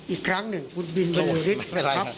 อีกครั้งหนึ่งคุณบิลมาหลือฤทธิ์ครับ